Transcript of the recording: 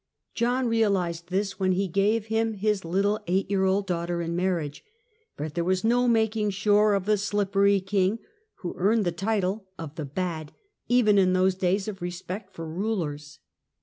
John reahsed this when he gave him his little eight year old daughter in marriage ; but there was no making sure of the slippery King, who earned the title of " the bad " even in those days of re spect for rulers.